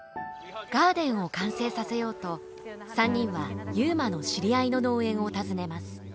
ガーデンを完成させようと３人は悠磨の知り合いの農園を訪ねます。